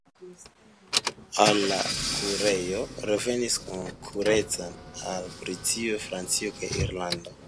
Al la kurejo revenis konkurenco el Britio, Francio kaj Irlando.